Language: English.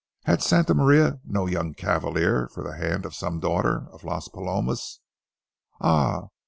Had Santa Maria no young cavalier for the hand of some daughter of Las Palomas? Ah!